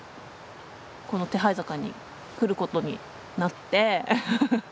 この手這坂に来ることになって。